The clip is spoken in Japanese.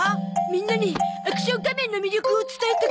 みんなにアクション仮面の魅力を伝えたくて。